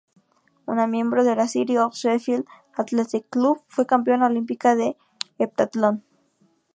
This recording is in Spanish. Una miembro de la City of Sheffield Athletic Club, fue campeona olímpica de heptatlón.